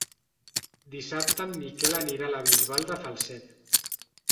Dissabte en Miquel anirà a la Bisbal de Falset.